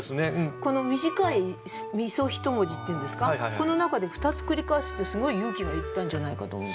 この短い三十一文字っていうんですかこの中で２つ繰り返すってすごい勇気がいったんじゃないかと思うんですけど。